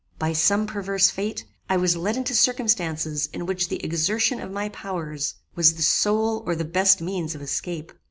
By some perverse fate, I was led into circumstances in which the exertion of my powers was the sole or the best means of escape.